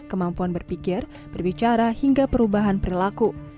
kemampuan berpikir berbicara hingga perubahan perilaku